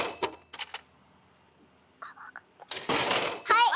はい！